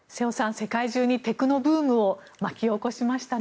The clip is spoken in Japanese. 世界中にテクノブームを巻き起こしましたね。